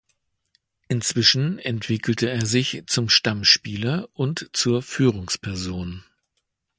Inzwischen entwickelte er sich zum Stammspieler und zur Führungsperson.